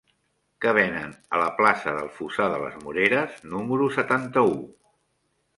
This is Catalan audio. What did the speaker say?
Què venen a la plaça del Fossar de les Moreres número setanta-u?